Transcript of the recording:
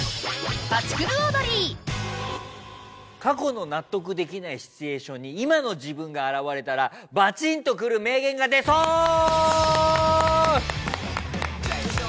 「過去の納得できないシチュエーションに今の自分が現れたらバチーンとくる名言が出そう！」